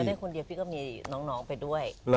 ได้คนเดียวพี่ก็มีน้องไปด้วย